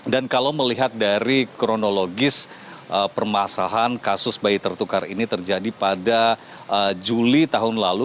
dan kalau melihat dari kronologis permasalahan kasus bayi tertukar ini terjadi pada juli tahun lalu